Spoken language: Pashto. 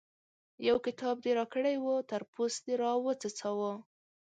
يو کتاب دې راکړی وو؛ تر پوست دې راوڅڅاوو.